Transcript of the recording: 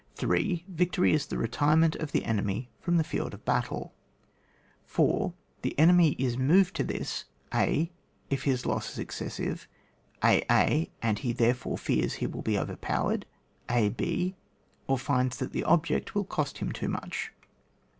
3. Victory is the retirement of the enemy from the field of battle. 4. The enemy is moved to this :— a. If his loss is excessive. a a, and he therefore fears he wiU be overpowered ; a b, or finds that the object wiU cost him too much.